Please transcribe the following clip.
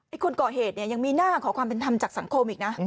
คนก่อเหตุเนี่ยยังมีหน้าขอความเป็นธรรมจากสังคมอีกนะ